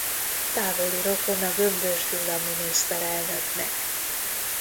Távoli rokona Gömbös Gyula miniszterelnöknek.